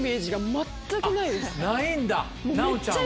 ないんだ奈央ちゃんは。